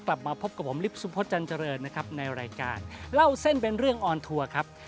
กลับมาพบกับผมลิฟต์สุพธจันเจริญนะครับในรายการเล่าเส้นเป็นเรื่องออนทัวร์ครับ